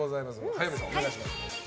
早見さん、お願いします。